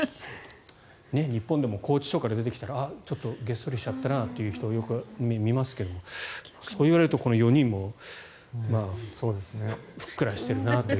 日本でも拘置所から出てきたらちょっとげっそりしちゃったなという人をよく見ますけどそういわれると、この４人もふっくらしているなという。